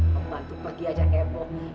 pembantu pergi aja ke evo